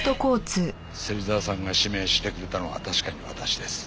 芹沢さんが指名してくれたのは確かに私です。